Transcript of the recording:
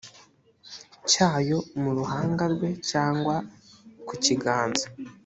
cyayo mu ruhanga rwe cyangwa ku kiganza